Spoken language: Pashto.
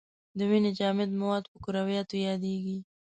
د وینې جامد مواد په کرویاتو یادیږي.